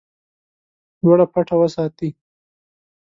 لوړه پټه وساتي.